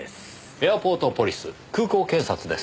エアポートポリス空港警察ですか。